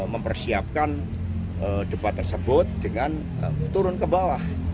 mempersiapkan debat tersebut dengan turun ke bawah